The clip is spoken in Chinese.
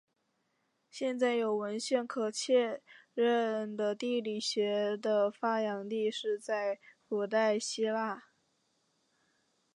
现在有文献可确认的地理学的发祥地是在古代希腊。